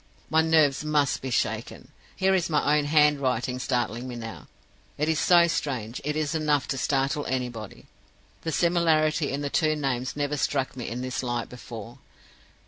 "My nerves must be shaken. Here is my own handwriting startling me now! It is so strange; it is enough to startle anybody. The similarity in the two names never struck me in this light before.